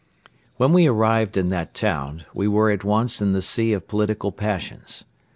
When we arrived in that town, we were at once in the sea of political passions.